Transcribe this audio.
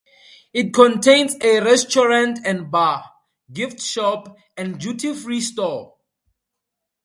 It contains a restaurant and bar, gift shop, and duty-free store.